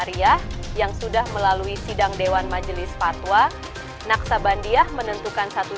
meriah yang sudah melalui sidang dewan majelis fatwa naksabandia menentukan satu